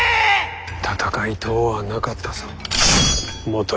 戦いとうはなかったぞ元康。